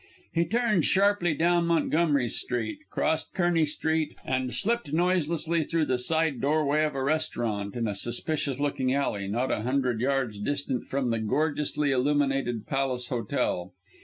He turned sharply down Montgomery Street, crossed Kearney Street, and slipped noiselessly through the side doorway of a restaurant, in a suspicious looking alley, not a hundred yards distant from the gorgeously illuminated Palace Hotel.